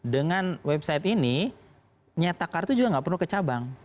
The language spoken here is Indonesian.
dengan website ini nyetak kartu juga nggak perlu ke cabang